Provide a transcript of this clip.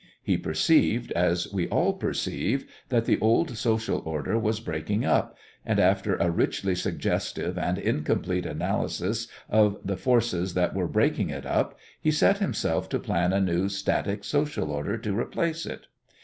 He perceived, as we all perceive, that the old social order was breaking up, and after a richly suggestive and incomplete analysis of the forces that were breaking it up he set himself to plan a new static social order to replace it.